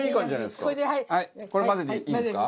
これ混ぜていいんですか？